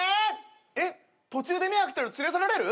えっ途中で目開けたら連れ去られる？